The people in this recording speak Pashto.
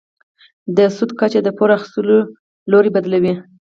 د سود کچه د پور اخیستلو لوری بدلوي.